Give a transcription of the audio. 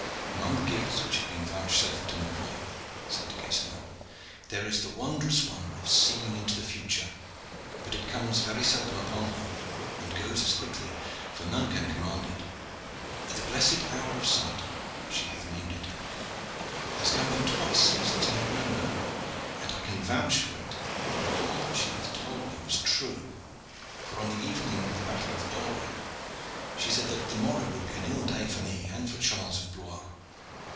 "Among the gifts which have been vouchsafed to my wife," said Du Guesclin, "there is the wondrous one of seeing into the future; but it comes very seldom upon her, and goes as quickly, for none can command it. The blessed hour of sight, as she hath named it, has come but twice since I have known her, and I can vouch for it that all that she hath told me was true, for on the evening of the Battle of Auray she said that the morrow would be an ill day for me and for Charles of Blois.